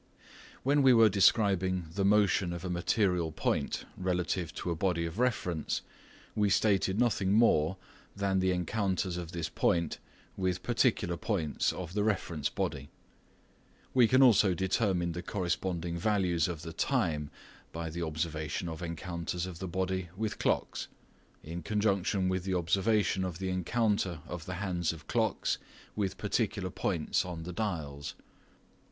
When we were describing the motion of a material point relative to a body of reference, we stated nothing more than the encounters of this point with particular points of the reference body. We can also determine the corresponding values of the time by the observation of encounters of the body with clocks, in conjunction with the observation of the encounter of the hands of clocks with particular points on the dials.